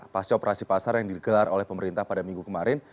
pasca operasi pasar yang digelar oleh pemerintah pada minggu kemarin